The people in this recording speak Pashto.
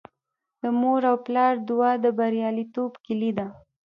د مور او پلار دعا د بریالیتوب کیلي ده.